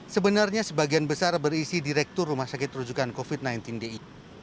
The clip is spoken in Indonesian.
sebenarnya sebagian besar berisi direktur rumah sakit rujukan covid sembilan belas di